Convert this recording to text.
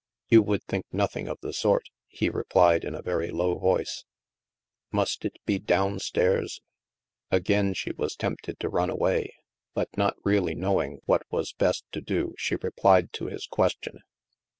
You would think nothing of the sort," he re plied in a very low voice ;must it be down stairs ?" Again she was tempted to run away. But, not really knowing what was best to do, she replied to his question.